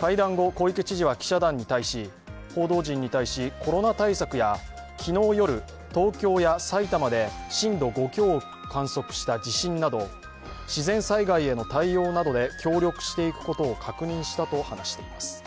会談後、小池知事は報道陣に対し、コロナ対策や昨日夜、東京や埼玉で震度５強を観測した地震など自然災害への対応などで協力していくことを確認したと話しています。